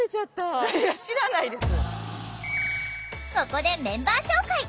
ここでメンバー紹介！